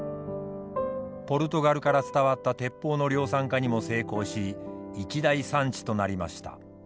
ポルトガルから伝わった鉄砲の量産化にも成功し一大産地となりました。